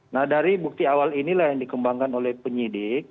nah dari bukti awal inilah yang dikembangkan oleh penyidik